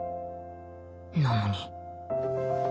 なのに